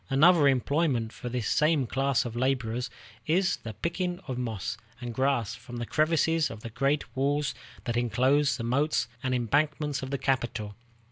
Another employment for this same class of laborers is the picking of moss and grass from the crevices of the great walls that inclose the moats and embankments of the capital.